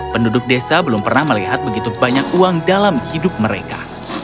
penduduk desa belum pernah melihat begitu banyak uang dalam hidup mereka